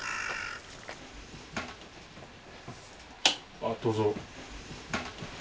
あっどうぞ。